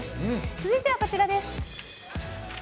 続いてはこちらです。